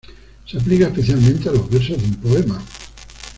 Se aplica especialmente a los versos de un poema.